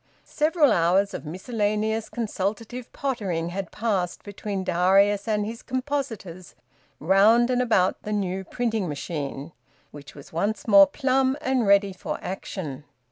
Several hours of miscellaneous consultative pottering had passed between Darius and his compositors round and about the new printing machine, which was once more plumb and ready for action.